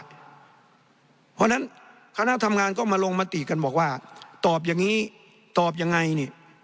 เพราะฉะนั้นคณะทำงานก็มาลงมติกันบอกว่าตอบอย่างนี้ตอบยังไงนี่